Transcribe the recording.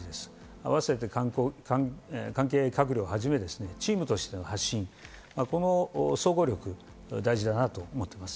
併せて関係閣僚はじめチームとしての発信、この総合力が大事だなと思っています。